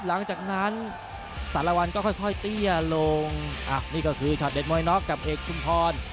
หลังจากนั้นแต่ละวันก็ค่อยเตี้ยลงนี่ก็คือช็อตเด็ดมวยน็อกกับเอกชุมพร